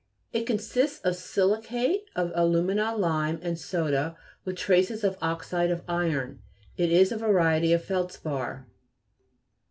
It consists of silicate of alu'mina, lime, and soda, with traces of oxide of iron. It is a variety of feldspar.